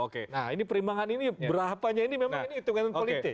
oke nah ini perimbangan ini berapanya ini memang ini hitungan politik